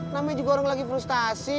namanya juga orang lagi frustasi